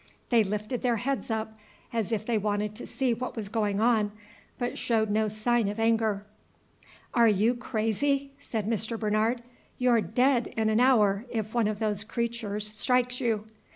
They lifted their heads up, as if they wanted to see what was going on, but showed no sign of anger. "Are you crazy?" said Mr. Bernard. "You're dead in an hour, if one of those creatures strikes you!"